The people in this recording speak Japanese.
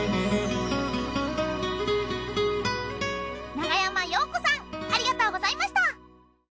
長山洋子さんありがとうございました。